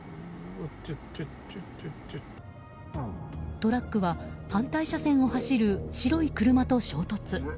トラックは反対車線を走る白い車と衝突。